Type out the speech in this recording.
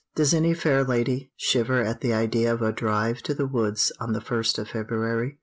Does any fair lady shiver at the idea of a drive to the woods on the first of February?